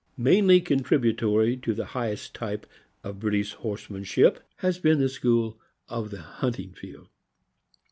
Mainly contributory to the highest type of British horsemanship has been the school of the hunting field.